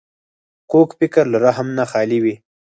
کوږ فکر له رحم نه خالي وي